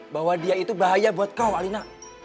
bahwa dia itu bahaya buat kau alina